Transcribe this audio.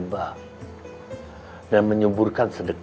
bagus ya kakek